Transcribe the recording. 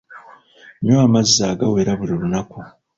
Nywa amazzi agawera buli lunaku.